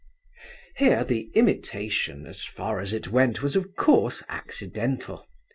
Here the imitation, as far as it went, was of course accidental.